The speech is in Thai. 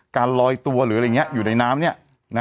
การลอยตัวหรืออะไรอย่างนี้อยู่ในน้ำเนี่ย